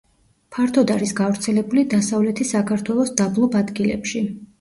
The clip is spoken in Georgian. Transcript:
ფართოდ არის გავრცელებული დასავლეთი საქართველოს დაბლობ ადგილებში.